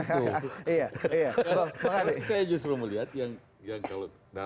saya justru melihat yang